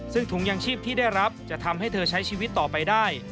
ซึ่งถุงยางชีพที่ได้รับจะทำให้เธอใช้ชีวิตต่อไปได้